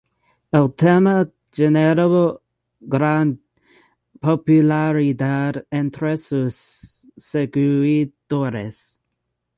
El tema generó gran popularidad entre sus seguidores.